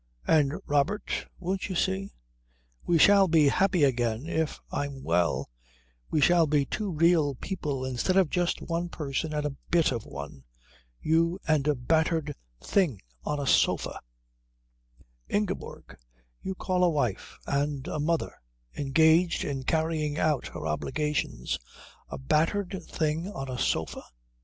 And, Robert, won't you see? We shall be happy again if I'm well, we shall be two real people instead of just one person and a bit of one you and a battered thing on a sofa " "Ingeborg, you call a wife and a mother engaged in carrying out her obligations a battered thing on a sofa?"